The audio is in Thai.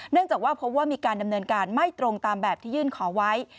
จากว่าพบว่ามีการดำเนินการไม่ตรงตามแบบที่ยื่นขอไว้